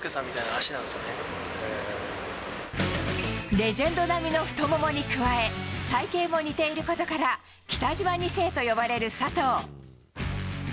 レジェンド並みの太ももに加え体形も似ていることから北島２世と呼ばれる佐藤。